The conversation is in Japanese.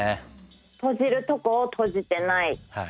とじるとこをとじてない。